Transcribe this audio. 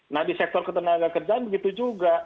nah di sektor ketenaga kerjaan begitu juga